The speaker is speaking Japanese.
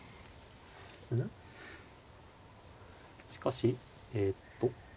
うん？しかしえっと。